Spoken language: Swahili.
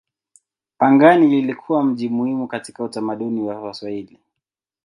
Pangani ilikuwa mji muhimu katika utamaduni wa Waswahili.